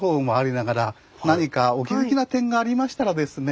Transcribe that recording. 何かお気付きな点がありましたらですね